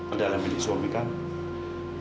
adalah milik suami kamu